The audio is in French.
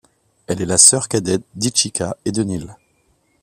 Elle est la sœur cadette d'Ichika et de Nil.